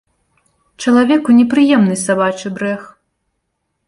Чалавеку непрыемны сабачы брэх.